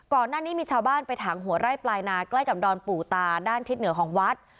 ก่อนหน้านี้มีชาวบ้านไปถังหัวไร่ปลายนาใกล้กับดอนปู่ตาด้านทิศเหนือของวัด